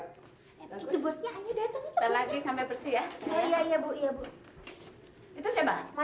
itu bosnya ayah datang coba coba